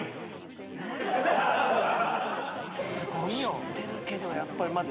知ってるけどやっぱりまあ。